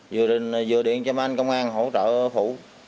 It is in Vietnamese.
vừa điện cho mấy anh công an hỗ trợ phụ